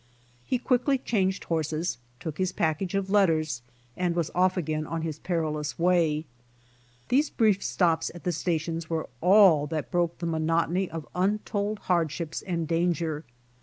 He quickly changed horses, took his package of letters, and was off again on his perilous way. These brief stops at the stations were all that broke the monotony of untold hardships and danger.